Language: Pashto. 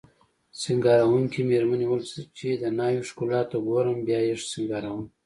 سینګاروونکې میرمنې وویل چې د ناوې ښکلا ته ګورم بیا یې سینګاروم